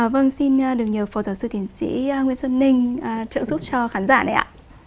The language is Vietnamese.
vâng xin được nhờ phó giáo sư tiến sĩ nguyễn xuân ninh trợ giúp cho khán giả này ạ